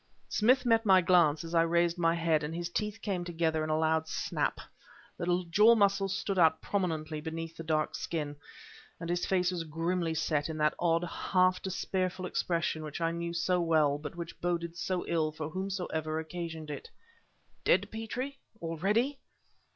Smith met my glance as I raised my head, and his teeth came together with a loud snap; the jaw muscles stood out prominently beneath the dark skin; and his face was grimly set in that odd, half despairful expression which I knew so well but which boded so ill for whomsoever occasioned it. "Dead, Petrie! already?"